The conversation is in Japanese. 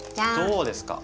どうですか？